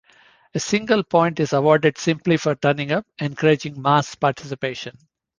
A single point is awarded simply for turning up, encouraging mass participation.